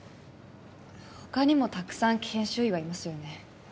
他にもたくさん研修医はいますよね